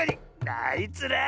あいつら。